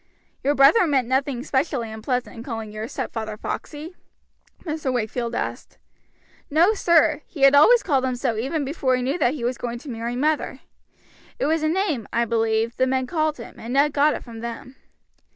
"Your brother meant nothing specially unpleasant in calling your stepfather Foxey?" Mr. Wakefield asked. "No, sir; he had always called him so even before he knew that he was going to marry mother. It was a name, I believe, the men called him, and Ned got it from them."